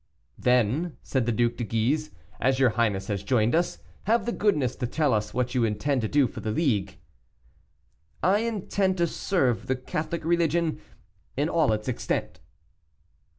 "Then," said the Duc de Guise, "as your highness has joined us, have the goodness to tell us what you intend to do for the league." "I intend to serve the Catholic religion in all its extent."